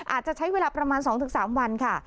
อาจจะใช้เวลาประมาณ๒๓วันค่ะ